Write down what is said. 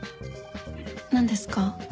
何ですか？